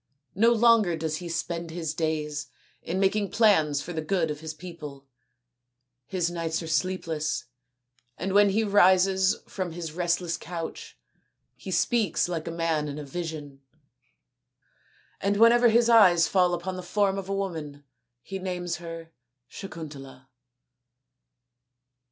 No longer does he spend his days in making plans for the good of his people. His nights are sleepless, and when he rises from his restless couch he speaks like a man in a vision; and whenever his eyes fall upon the form of a woman he names her Sakuntala."